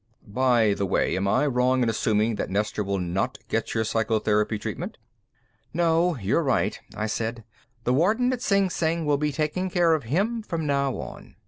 "By the way, am I wrong in assuming that Nestor will not get your psychotherapy treatment?" "No, you're right," I said. "The warden at Sing Sing will be taking care of him from now on."